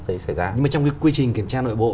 đấy xảy ra nhưng mà trong quy trình kiểm tra nội bộ